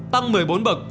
tăng một mươi bốn bậc